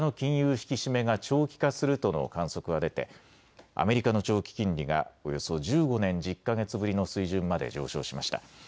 引き締めが長期化するとの観測が出てアメリカの長期金利がおよそ１５年１０か月ぶりの水準まで上昇しました。